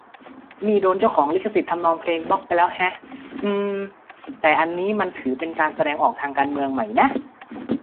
นี่โดนเจ้าของลิขสิทธิ์ทำนองเพลงบล็อคไปแล้วแฮะ อืมมม แต่อันนี้มันถือเป็นการแสดงออกทางการเมืองไหมนะ